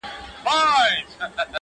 پای لا هم خلاص پاته کيږي,